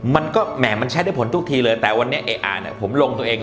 มันก็แหม่มันใช้ได้ผลทุกทีเลยแต่วันนี้อ่านผมลงตัวเอง